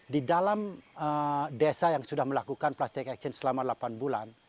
di dalam desa yang sudah melakukan plastik action selama delapan bulan